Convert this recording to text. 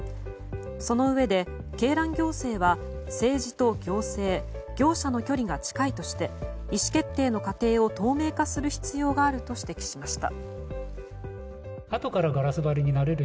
そのうえで、鶏卵行政は政治と行政業者の距離が近いとして意思決定の過程を透明化する必要があると指摘しました。